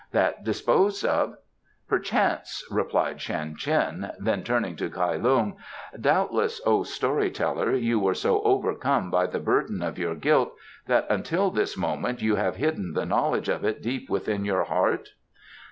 That disposed of " "Perchance," replied Shan Tien; then turning to Kai Lung: "Doubtless, O story teller, you were so overcome by the burden of your guilt that until this moment you have hidden the knowledge of it deep within your heart?"